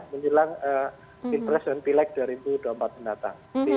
menjelang pilpres dan pilek dua ribu dua puluh empat yang datang